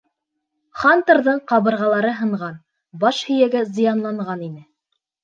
Хантерҙың ҡабырғалары һынған, баш һөйәге зыянлаған ине.